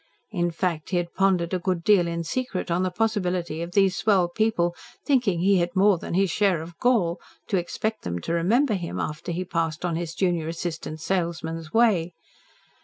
In fact, he had pondered a good deal in secret on the possibility of these swell people thinking he had "more than his share of gall" to expect them to remember him after he passed on his junior assistant salesman's way.